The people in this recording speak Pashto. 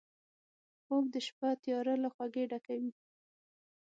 خوب د شپه تیاره له خوږۍ ډکوي